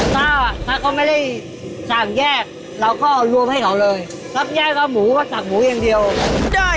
ถ้าเขาไม่ได้สั่งแยกเราก็รวมให้เขาเลยสับแยกเอาหมูก็สั่งหมูอย่างเดียว